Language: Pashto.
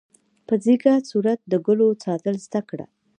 په ځیږه صورت د ګلو ساتل زده کړه.